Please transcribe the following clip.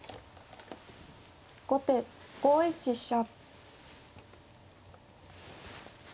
後手５一飛車。